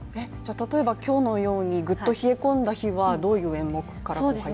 例えば今日のようにグッと冷え込んだ日はどういう演目から入るんですか？